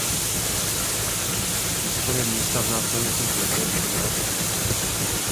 Historie města v následujících letech je nejasná.